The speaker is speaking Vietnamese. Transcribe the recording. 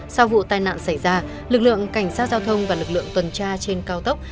sau vụ tai nạn xảy ra lực lượng cảnh sát giao thông và lực lượng tuần tra trên cao tốc